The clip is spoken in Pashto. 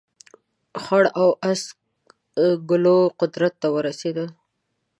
خړ او اس ګلو قدرت ته ورسېدل.